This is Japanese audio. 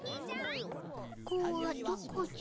ここはどこじゃ？